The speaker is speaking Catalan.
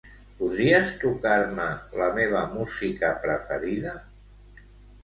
Podries tocar-me la meva música preferida?